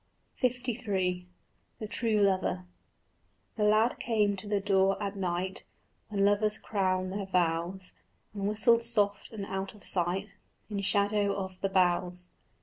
LIII THE TRUE LOVER The lad came to the door at night, When lovers crown their vows, And whistled soft and out of sight In shadow of the boughs.